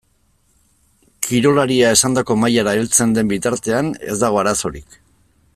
Kirolaria esandako mailara heltzen den bitartean ez dago arazorik.